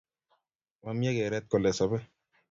Mamie keret kole sobe